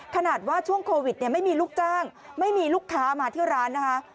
ขนาดว่าช่วงโควิดเนี่ยไม่มีลูกจ้างไม่มีลูกค้ามาที่ร้านนะคะ